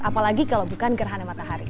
apalagi kalau bukan gerhana matahari